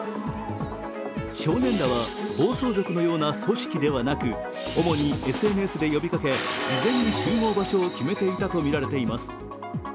少年らは暴走族のような組織ではなく主にＳＮＳで呼びかけ事前に集合場所を決めていたとみられています。